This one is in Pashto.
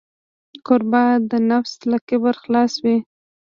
کوربه د نفس له کبره خلاص وي.